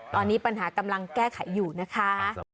ตอนนี้ปัญหากำลังแก้ไขอยู่นะคะ